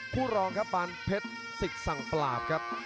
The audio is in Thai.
ผู้รองครับปานเพชรศิกสังปราบครับ